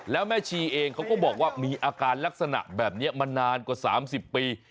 แล้วแม่ชีเองเขาก็บอกว่ามีอาการลักษณะแบบนี้มานานกว่า๓๐ปี